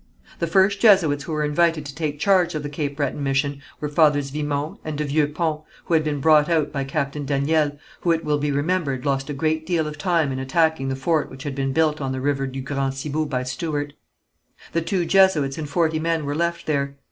The first Jesuits who were invited to take charge of the Cape Breton mission were Fathers Vimont and de Vieux Pont, who had been brought out by Captain Daniel, who, it will be remembered, lost a great deal of time in attacking the fort which had been built on the river du Grand Cibou by Stuart. The two Jesuits and forty men were left here.